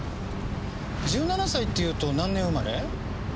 １７歳っていうと何年生まれ？